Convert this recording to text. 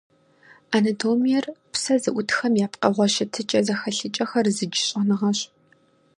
Анатомиер - псэ зыӏутхэм я пкъыгъуэ щытыкӏэ-зэхэлъыкӏэхэр зыдж щӏэныгъэщ.